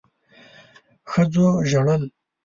ښځو ژړل